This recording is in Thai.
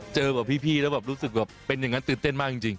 เจอแบบพี่แล้วแบบรู้สึกแบบเป็นอย่างนั้นตื่นเต้นมากจริง